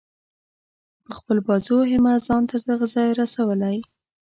په خپل بازو او همت ځان تر دغه ځایه رسولی.